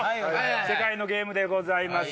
世界のゲームでございます。